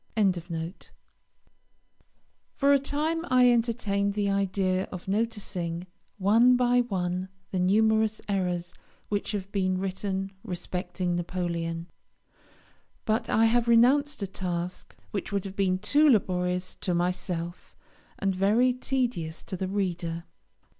] For a time I entertained the idea of noticing, one by one, the numerous errors which have been written respecting Napoleon; but I have renounced a task which would have been too laborious to myself, and very tedious to the reader.